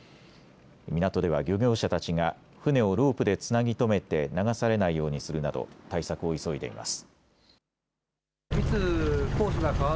港では漁業者たちが船をロープでつなぎ止めて流されないようにするなど対策を急いでいます。